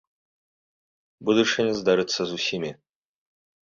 Будучыня здарыцца з усімі!